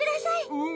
うん。